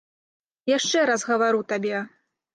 Яшчэ раз гавару табе.